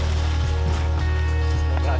kekuatan apa yang've co project